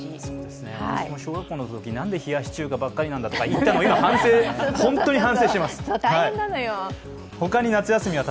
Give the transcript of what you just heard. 私も小学校のときなんで冷やし中華ばっかなんだって言ったの、今、本当に反省しています。